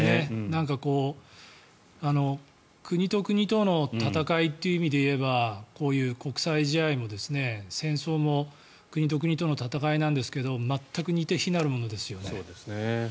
なんか国と国との戦いという意味でいえばこういう国際試合も戦争も国と国との戦いなんですけど全く、似て非なるものですよね。